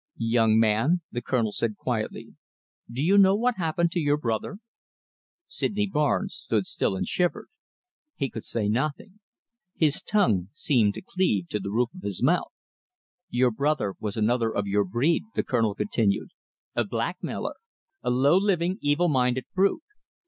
"Young man," the Colonel said quietly, "do you know what happened to your brother?" Sydney Barnes stood still and shivered. He could say nothing. His tongue seemed to cleave to the roof of his mouth. "Your brother was another of your breed," the Colonel continued. "A blackmailer! A low living, evil minded brute.